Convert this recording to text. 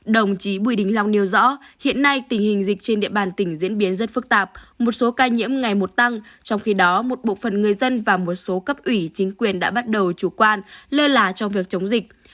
đồng chí bùi đình long nêu rõ hiện nay tình hình dịch trên địa bàn tỉnh diễn biến rất phức tạp một số ca nhiễm ngày một tăng trong khi đó một bộ phận người dân và một số cấp ủy chính quyền đã bắt đầu chủ quan lơ là trong việc chống dịch